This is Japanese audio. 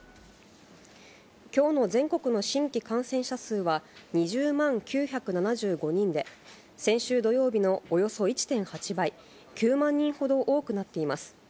きょうの全国の新規感染者数は２０万９７５人で、先週土曜日のおよそ１．８倍、９万人ほど多くなっています。